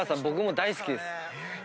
僕も大好きです。